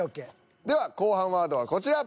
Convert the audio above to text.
では後半ワードはこちら。